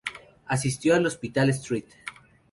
Asistió al Hospital St.